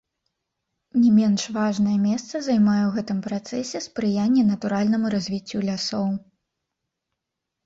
Не менш важнае месца займае ў гэтым працэсе спрыянне натуральнаму развіццю лясоў.